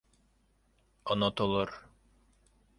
Онотолор...